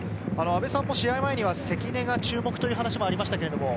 阿部さんも試合前に関根が注目という話もありました。